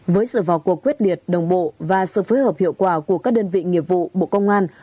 với sự vào cuộc quyết liệt đồng bộ và sự phối hợp hiệu quả của các đơn vị nghiệp vụ bộ công an